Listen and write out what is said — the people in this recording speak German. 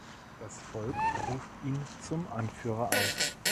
Das Volk ruft ihn zum Anführer aus.